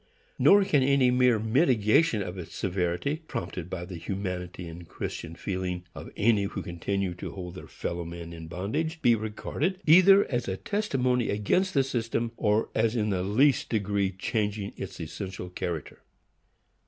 Nor can any mere mitigation of its severity, prompted by the humanity and Christian feeling of any who continue to hold their fellow men in bondage, be regarded either as a testimony against the system, or as in the least degree changing its essential character.